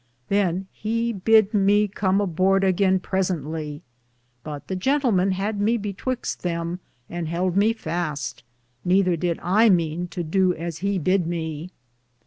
Than he bid me come aborde againe presently, but the jentlmen had me betwyxte them, and helde me faste; nether did I meane to dow as he bid me.